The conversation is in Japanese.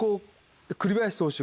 栗林投手